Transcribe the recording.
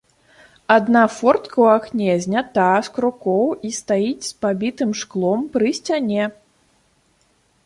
Адна фортка ў акне знята з крукоў і стаіць з пабітым шклом пры сцяне.